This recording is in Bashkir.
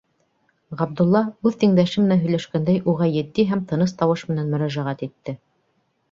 Ғабдулла, үҙ тиңдәше менән һөйләшкәндәй, уға етди һәм тыныс тауыш менән мөрәжәғәт итте.